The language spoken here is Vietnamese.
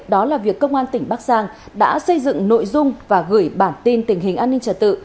đó là việc công an tỉnh bắc giang đã xây dựng nội dung và gửi bản tin tình hình an ninh trật tự